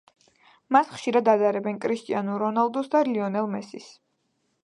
მას ხშირად ადარებენ კრიშტიანუ რონალდუს და ლიონელ მესის.